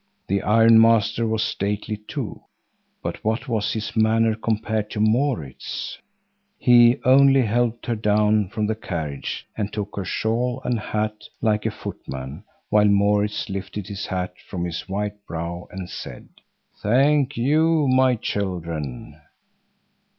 The ironmaster was stately too, but what was his manner compared to Maurits's. He only helped her down from the carriage, and took her shawl and hat like a footman, while Maurits lifted his hat from his white brow and said: "Thank you, my children!"